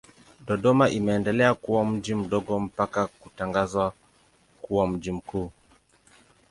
Dodoma imeendelea kuwa mji mdogo mpaka kutangazwa kuwa mji mkuu.